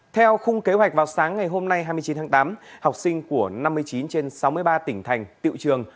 theo khung kế hoạch vào sáng ngày hôm nay hai mươi chín tháng tám học sinh của năm mươi chín trên sáu mươi ba tỉnh thành tiệu trường